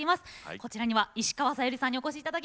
こちらには石川さゆりさんにお越しいただきました。